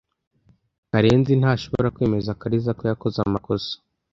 Karenzi ntashobora kwemeza Kariza ko yakoze amakosa.